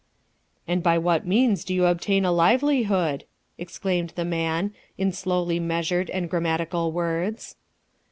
"And by what means do you obtain a livelihood?" exclaimed the man, in slowly measured and grammatical words.